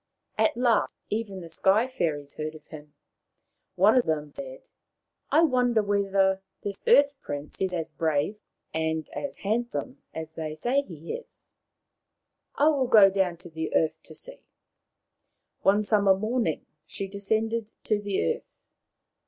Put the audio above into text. At last even the Sky fairies heard of him. One of them said, " I wonder whether this Earth prince is as brave and handsome as they say he is. I will go down to the earth to see. ,, One summer morning she descended to the earth.